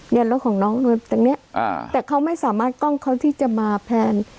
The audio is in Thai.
รถของน้องโดยตรงเนี้ยอ่าแต่เขาไม่สามารถกล้องเขาที่จะมาแทน